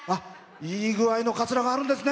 いい具合のかつらがあるんですね。